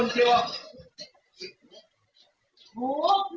เจอใจ